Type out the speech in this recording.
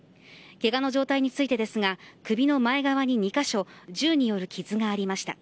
けがの状態についてですが首の前側に２カ所銃による傷がありました。